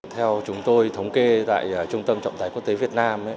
theo chúng tôi thống kê tại trung tâm trọng tài quốc tế việt nam